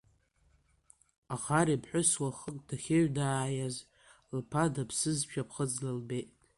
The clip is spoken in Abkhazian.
Аӷар иԥҳәыс уахык дахьыҩнаиаз, лԥа дыԥсызшәа ԥхыӡла илбеит.